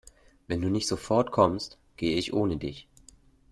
Wenn du nicht sofort kommst, gehe ich ohne dich.